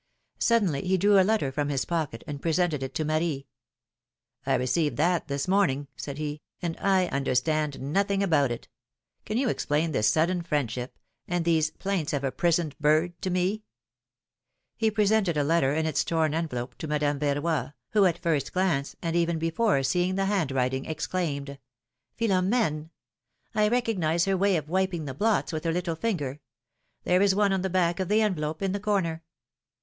Suddenly he drew a letter from his pocket, and presented it to Marie. I received that this morning," said he, and I under stand nothing about it Can you explain this sudden friendship, and these 'plaints of a prisoned bird to me ?" He presented a letter, in its torn envelope, to Madame Verroy, who, at her first glance, and even before seeing the handwriting, exclaimed : Philomene ! I recognize her way of wiping the blots with her little finger; there is one on the back of the envelope, in the corner."